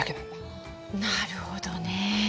なるほどね。